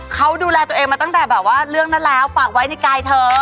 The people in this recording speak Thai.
เขาดูแลตัวเองมาตั้งแต่แบบว่าเรื่องนั้นแล้วฝากไว้ในกายเธอ